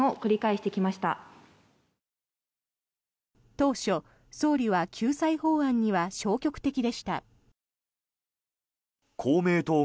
当初、総理は救済法案には消極的でした。